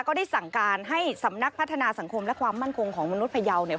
ก็ได้สั่งการให้สำนักพัฒนาสังคมและความมั่นคงของมนุษย์พยาวเนี่ย